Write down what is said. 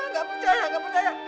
gak percaya gak percaya